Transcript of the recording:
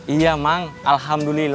iya mang alhamdulillah